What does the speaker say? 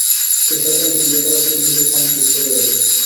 সে শয়তানকে বিয়ে করার জন্য নিজের স্বামীকে উৎসর্গ করেছে।